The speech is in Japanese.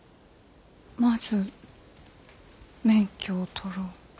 まず免許を取ろう。